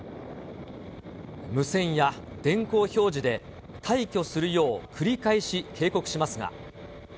無線や電光表示で退去するよう繰り返し警告しますが。